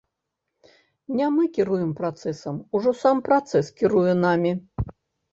Не мы кіруе працэсам, ужо сам працэс кіруе намі.